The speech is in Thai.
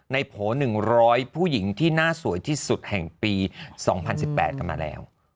โผล่๑๐๐ผู้หญิงที่น่าสวยที่สุดแห่งปี๒๐๑๘กันมาแล้ว